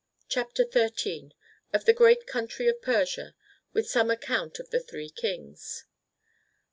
CHAPTER XIII Of the Great Country of Persia; with some account of the Three Kings.